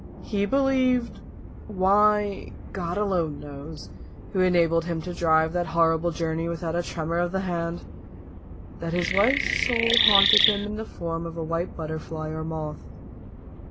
He believed why, God alone knows, who enabled him to drive that horrible journey without a tremor of the hand that his wife's soul haunted him in the form of a white butterfly or moth.